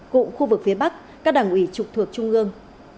cụm khu vực phía bắc các đảng ủy trực thuộc trung ương